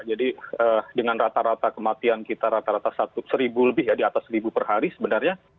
jadi dengan rata rata kematian kita rata rata satu ribu lebih di atas satu ribu per hari sebenarnya